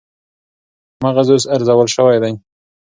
مغز اوس ارزول شوی دی